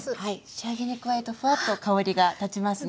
仕上げに加えるとフワッと香りが立ちますね。